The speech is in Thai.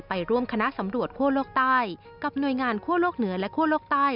ไปร่วมคณะสำรวจคั่วโลกใต้กับหน่วยงานคั่วโลกเหนือและคั่วโลกใต้